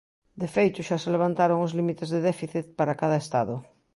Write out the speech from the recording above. De feito, xa se levantaron os límites de déficit para cada estado.